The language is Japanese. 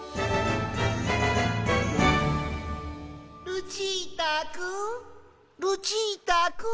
ルチータくんルチータくん。